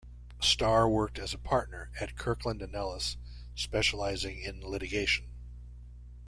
Starr worked as a partner at Kirkland and Ellis, specializing in litigation.